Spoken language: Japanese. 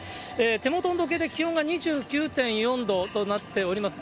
手元の温度計で気温が２９．４度となっております。